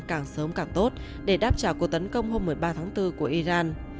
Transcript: càng sớm càng tốt để đáp trả cuộc tấn công hôm một mươi ba tháng bốn của iran